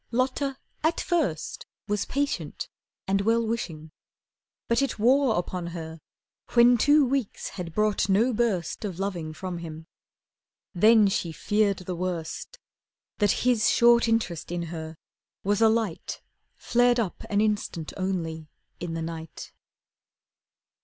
Lotta at first Was patient and well wishing. But it wore Upon her when two weeks had brought no burst Of loving from him. Then she feared the worst; That his short interest in her was a light Flared up an instant only in the night.